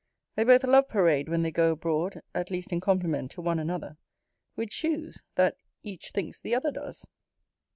They both love parade when they go abroad, at least in compliment to one another; which shews, that each thinks the other does.